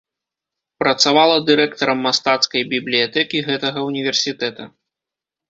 Працавала дырэктарам мастацкай бібліятэкі гэтага ўніверсітэта.